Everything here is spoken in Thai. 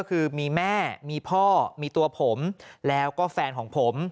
คือมีแม่มีพ่อมีตัวผมแล้วก็แฟนของผม